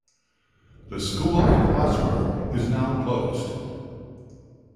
The school in Hosmer is now closed.